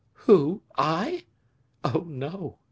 "Who! I? Oh, no!